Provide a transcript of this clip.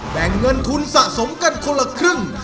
แบ่งเงินทุนสะสมกันคนละครึ่ง